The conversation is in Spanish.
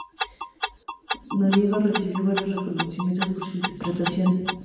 Noriega recibió varios reconocimientos por su interpretación de la aristócrata, Matilde Peñalver y Beristáin.